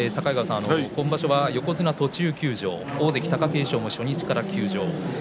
横綱、途中休場、大関貴景勝も初日から休場。